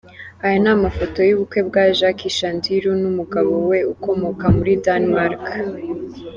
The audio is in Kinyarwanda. Aya ni amafoto y’ubukwe bwa Jackie Chandiru n’umugabo we ukomoka muri Denmark.